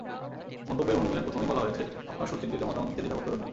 মন্তব্যের অনুরোধের প্রথমেই বলা হয়েছে আপনার সুচিন্তিত মতামত দিতে দ্বিধাবোধ করবেন না।